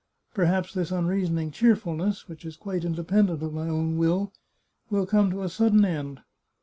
Perhaps this unreasoning cheerfulness, which is quite independent of my own will, will come to a sudden end?